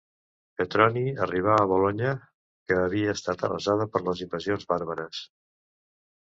Petroni arribà a Bolonya, que havia estat arrasada per les invasions bàrbares.